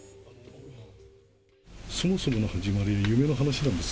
そもそもの始まりは夢の話なんです。